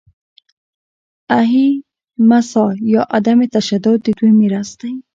اهیمسا یا عدم تشدد د دوی میراث دی.